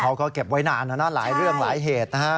เขาก็เก็บไว้นานแล้วนะหลายเรื่องหลายเหตุนะฮะ